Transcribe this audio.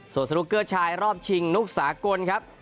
ส่วนสนุกเกอร์ชายรอบชิงนุกสากลครับ